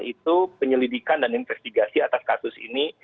itu penyelidikan dan investigasi atas kasus ini